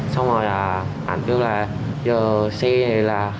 xong rồi là anh đưa là giờ xe này là